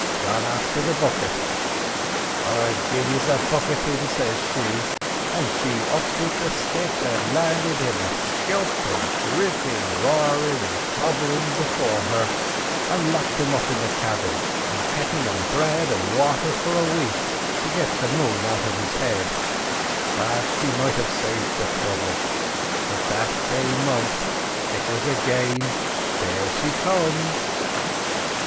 "'Gone afther the bucket.' "'I'll give yiz a bucketin'!' says she; and she up with the stick and landed him a skelp, an' driv him roarin' and hobblin' before her, and locked him up in the cabin, an' kep' him on bread an' wather for a wake to get the moon out of his head; but she might have saved her thruble, for that day month in it was agin—— There she comes!"